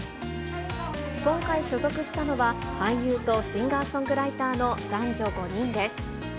今回、所属したのは、俳優とシンガーソングライターの男女５人です。